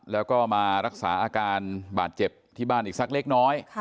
แล้วก็มารักษาอาการบาดเจ็บที่บ้านอีกสักเล็กน้อย